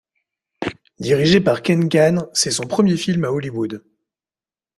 Dirigé par Ken Khan, c'est son premier film à Hollywood.